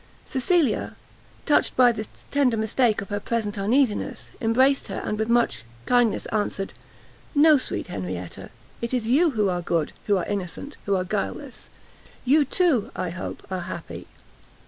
Cecilia, touched by this tender mistake of her present uneasiness, embraced her, and with much kindness, answered, "No, sweet Henrietta! it is you who are good, who are innocent, who are guileless! you, too, I hope are happy!"